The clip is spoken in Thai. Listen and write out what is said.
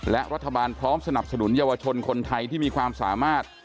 และรัฐบาลพร้อมสนับสนุนเยาวชนคนไทยที่มีความสามารถ